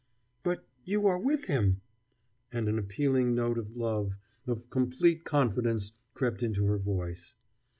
"But you are with him?" and an appealing note of love, of complete confidence, crept into her voice.